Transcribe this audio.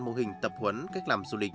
mô hình tập huấn cách làm du lịch